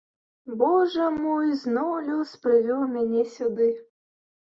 Божа мой, зноў лёс прывёў мяне сюды!